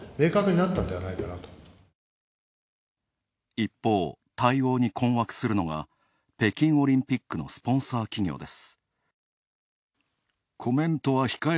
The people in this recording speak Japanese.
一方、対応に困惑するのが北京オリンピックのスポンサー企業です。